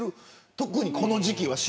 特にこの時期は。